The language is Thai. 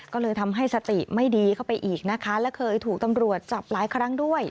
ก็เลยทำให้สติไม่ดีเข้าไปอีกนะคะและเคยถูกตำรวจจับหลายครั้งด้วย